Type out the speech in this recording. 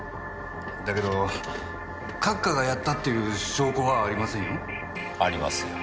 だけど閣下がやったっていう証拠がありませんよ？ありますよ。